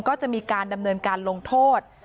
ก็จะมีการดำเนินการลงโทษ